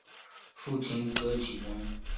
父亲戈启宗。